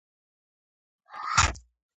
ქალაქი რეგიონის მთავარი სავაჭრო ცენტრია.